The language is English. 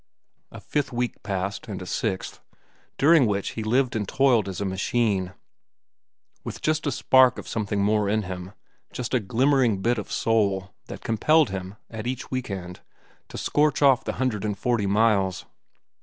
A fifth week passed, and a sixth, during which he lived and toiled as a machine, with just a spark of something more in him, just a glimmering bit of soul, that compelled him, at each week end, to scorch off the hundred and forty miles.